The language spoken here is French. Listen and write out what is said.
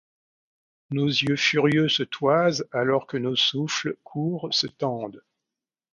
Nos yeux furieux se toisent alors que nos souffles courts se tendent.